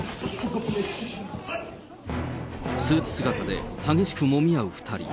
スーツ姿で激しくもみ合う２人。